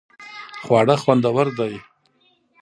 خواړه خوندور دې